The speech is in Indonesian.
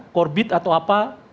korbit atau apa